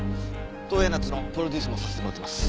登矢奈津のプロデュースもさせてもらってます。